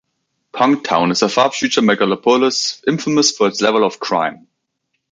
Punktown is a far-future megalopolis, infamous for its level of crime.